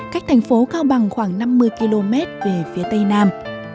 cách thành phố cao bằng khoảng năm mươi km về phía tây nam